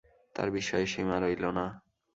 তাঁর বিস্ময়ের সীমা রইল না।